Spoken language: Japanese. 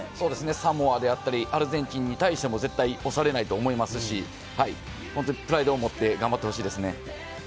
サモア、アルゼンチンに対しても絶対押されないと思いますし、プライドを持って頑張ってほしいですね。